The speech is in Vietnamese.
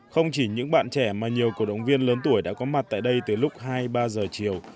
không chỉ những bạn trẻ mà nhiều cổ động viên lớn tuổi đã có mặt tại đây tới lúc hai ba h chiều